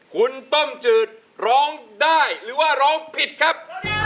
คุณต้มจืดร้องได้หรือว่าร้องผิดครับ